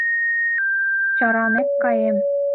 Чаранек каем!..